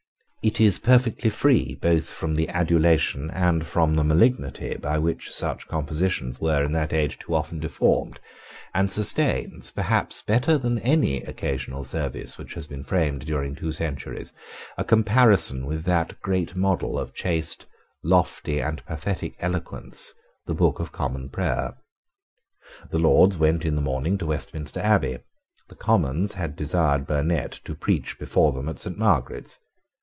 It is perfectly free both from the adulation and from the malignity by which such compositions were in that age too often deformed, and sustains, better perhaps than any occasional service which has been framed during two centuries, a comparison with that great model of chaste, lofty, and pathetic eloquence, the Book of Common Prayer. The Lords went in the morning to Westminster Abbey. The Commons had desired Burnet to preach before them at Saint Margaret's.